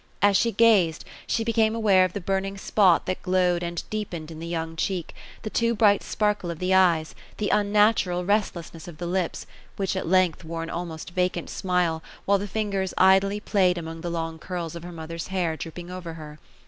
As she gated, she became aware of the burning spot that glowed and deepened in the young cheek, the too bright sparkle of the eyes, the unnatural restlessness of the lips, which at length wore an almost vacant smile, while the fingers idly played among the long curls of her mother's hair, drooping over her.